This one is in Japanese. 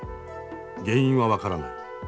原因は分からない。